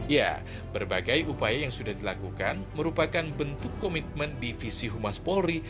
ya berbagai upaya yang sudah dilakukan merupakan bentuk komitmen divisi humas polri